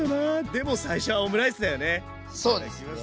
でも最初はオムライスだよね？